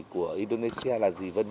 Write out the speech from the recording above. của indonesia là gì v v